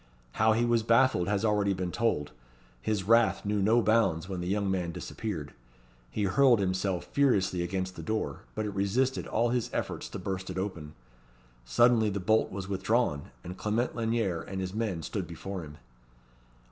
How he was baffled has already been told. His wrath knew no bounds when the young man disappeared. He hurled himself furiously against the door, but it resisted all his efforts to burst it open. Suddenly the bolt was withdrawn, and Clement Lanyere and his men stood before him.